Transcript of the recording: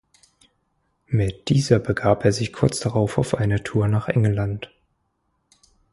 Mit dieser begab er sich kurz darauf auf eine Tour nach England.